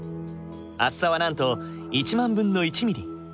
厚さはなんと１万分の１ミリ。